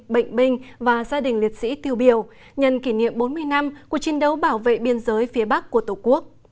bệnh binh và gia đình liệt sĩ tiêu biểu nhận kỷ niệm bốn mươi năm của chiến đấu bảo vệ biên giới phía bắc của tổ quốc